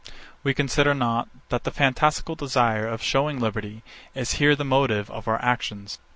We consider not, that the fantastical desire of shewing liberty, is here the motive of our actions.